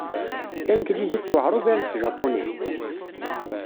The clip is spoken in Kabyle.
Tanglizit tewɛeṛ ugar tjapunit?